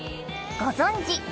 ご存じ